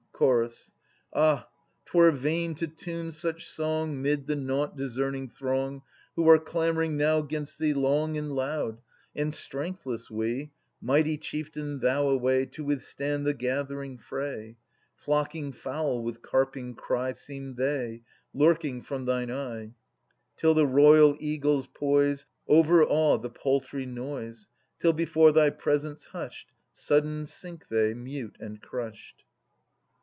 Chor us. Ah I 'twere vain to tune such song 'Mid the nought discerning throng Who are clamouring now 'gainst thee Long and loud ; and strengthless we, Mighty chieftain, thou away, To withstand the gathering fray. Flocking fowl with carping cry Seem they, lurking from thine eye ; Till the royal eagle's poise Overawe the paltry noise : Till before thy presence hushed Sudden sink they, mute and crushed.